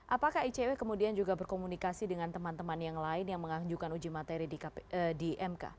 apakah icw kemudian juga berkomunikasi dengan teman teman yang lain yang mengajukan uji materi di mk